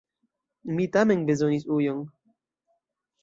Mi tamen bezonis ujon.